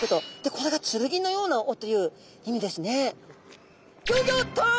これが剣のような尾という意味ですね。